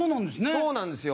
そうなんですよ。